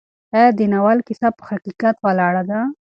ایا د ناول کیسه په حقیقت ولاړه ده؟